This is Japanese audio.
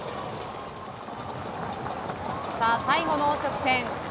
最後の直線。